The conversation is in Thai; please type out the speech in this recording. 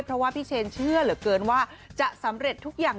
เพราะว่าพี่เชนเชื่อเหลือเกินว่าจะสำเร็จทุกอย่าง